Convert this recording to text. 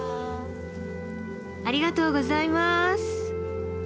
ありがとうございます。